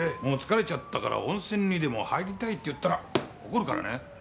もう疲れちゃったから温泉にでも入りたいって言ったら怒るからね。